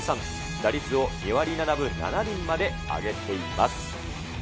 打率を２割７分７厘まで上げています。